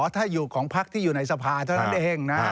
ถ้าอยู่ของพักที่อยู่ในสภาเท่านั้นเองนะ